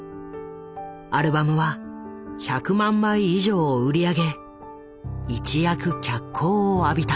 アルバムは１００万枚以上を売り上げ一躍脚光を浴びた。